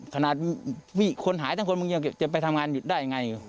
คนหายทั้งคนอย่างเงี้ยวจะไปทำงานหยุดนี่อย่างเงี้ย